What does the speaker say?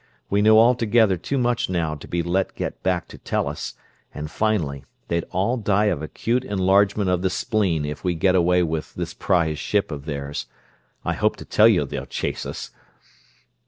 We know altogether too much now to be let get back to Tellus; and finally, they'd all die of acute enlargement of the spleen if we get away with this prize ship of theirs. I hope to tell you they'll chase us!"